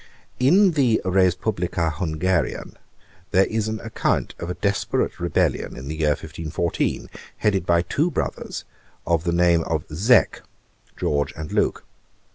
In the Respublica Hungarian, there is an account of a desperate rebellion in the year 1514, headed by two brothers, of the name of Zeck, George and Luke.